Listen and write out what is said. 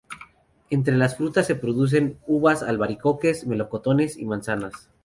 Entre las frutas se producen uvas, albaricoques, melocotones y manzanas.